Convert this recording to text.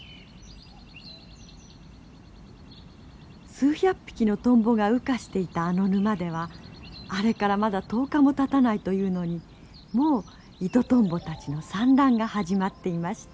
数百匹のトンボが羽化していたあの沼ではあれからまだ１０日もたたないというのにもうイトトンボたちの産卵が始まっていました。